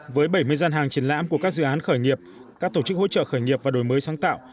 với bảy mươi gian hàng triển lãm của các dự án khởi nghiệp các tổ chức hỗ trợ khởi nghiệp và đổi mới sáng tạo